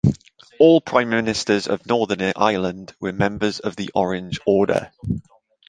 All Prime Ministers of Northern Ireland were members of the Orange Order.